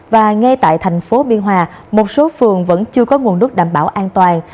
và ngay tại tp biên hòa một số phường vẫn chưa có nguồn nước đảm bảo an toàn